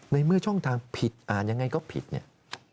ในเมื่อช่องทางผิดอ่านยังไงก็ผิดเนี่ย